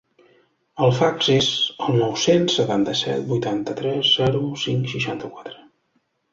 El fax és el nou-cents setanta-set vuitanta-tres zero cinc seixanta-quatre.